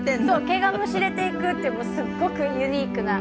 毛がむしれていくっていうすごくユニークな。